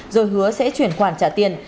rồi hứa sẽ chuyển khoản trả tiền